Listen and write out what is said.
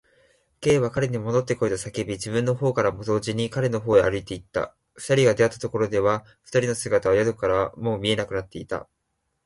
Ｋ は彼にもどってこいと叫び、自分のほうからも同時に彼のほうへ歩いていった。二人が出会ったところでは、二人の姿は宿屋からはもう見えなくなっていた。